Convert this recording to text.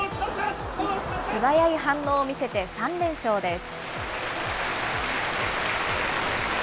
素早い反応を見せて３連勝です。